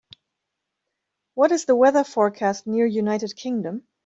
What is the weather forecast near United Kingdom